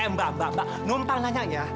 mbak mbak mbak nontal nanya ya